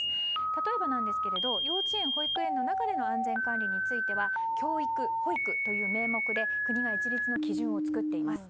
例えば、幼稚園・保育園の中での安全管理については教育・保育という名目で国が一律の基準を作っています。